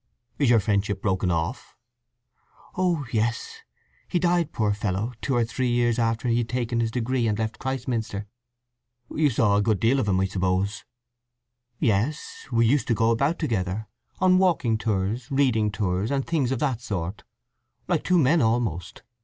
"Is your friendship broken off?" "Oh yes. He died, poor fellow, two or three years after he had taken his degree and left Christminster." "You saw a good deal of him, I suppose?" "Yes. We used to go about together—on walking tours, reading tours, and things of that sort—like two men almost.